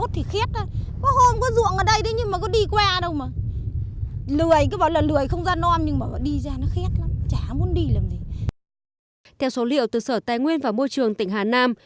theo số liệu từ sở tài nguyên và môi trường tỉnh hà nam